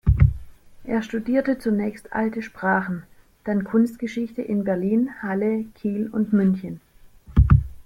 Er studierte zunächst Alte Sprachen, dann Kunstgeschichte in Berlin, Halle, Kiel und München.